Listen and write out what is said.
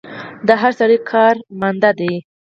د هر سړي کار ماندۀ دی